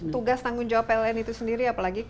tugas tanggung jawab pln itu sendiri apalagi